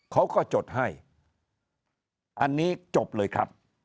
เขาก็จดให้อันนี้จบเลยครับ